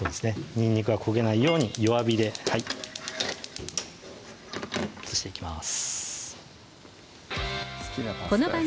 にんにくが焦げないように弱火ではい移していきます